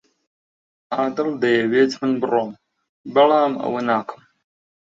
عادل دەیەوێت من بڕۆم، بەڵام ئەوە ناکەم.